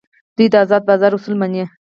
دوی د ازاد بازار اصول مني.